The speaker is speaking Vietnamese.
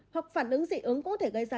hoặc phản ứng dị ứng có thể gây ra